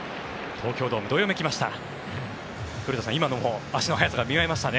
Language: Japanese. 東京ドームどよめきました。